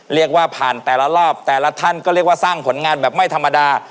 เรียกว่าผ่านแต่ละรอบแต่ละท่านก็เรียกว่าสร้างผลงานแบบไม่ธรรมดา